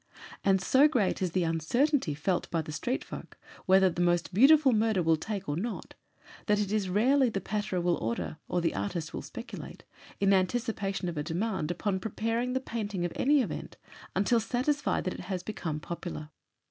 And so great is the uncertainty felt by the street folk whether "the most beautiful murder will take or not," that it is rarely the patterer will order, or the artist will speculate, in anticipation of a demand, upon preparing the painting of any event, until satisfied that it has become "popular."